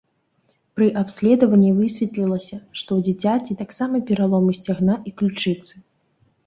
Пры абследаванні высветлілася, што ў дзіцяці таксама пераломы сцягна і ключыцы.